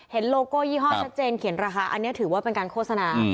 โลโก้ยี่ห้อชัดเจนเขียนราคาอันนี้ถือว่าเป็นการโฆษณา